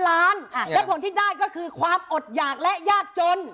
และผลที่ได้ก็คือความอดหยากและยากจน